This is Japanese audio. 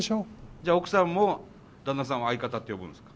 じゃあ奥さんも旦那さんは相方って呼ぶんですか？